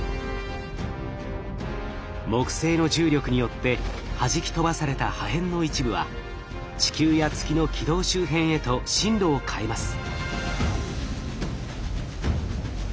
木星の重力によってはじき飛ばされた破片の一部は地球や月の軌道周辺へと進路を変えます。